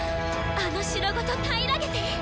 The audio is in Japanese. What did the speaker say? あの城ごとたいらげて！